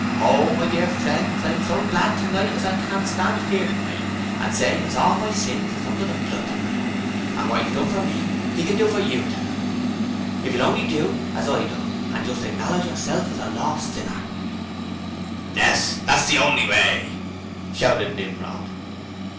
Ho my dear frens hi ham so glad tonight as I can stand 'ere tonight and say as hall my sins is hunder the blood tonight and wot 'E's done for me 'E can do for you tonight. If you'll honly do as I done and just acknowledge yourself a lost sinner ' 'Yes! that's the honly way!' shouted Nimrod.